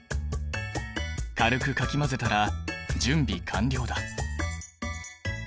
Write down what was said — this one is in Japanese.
軽くかき混ぜたら準備完了だ。